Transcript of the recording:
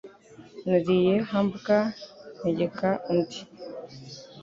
Nariye hamburger ntegeka undi.